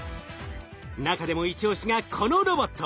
中でも一押しがこのロボット。